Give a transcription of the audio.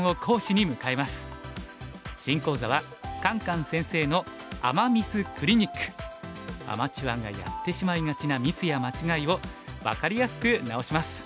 新講座はアマチュアがやってしまいがちなミスや間違いを分かりやすく直します。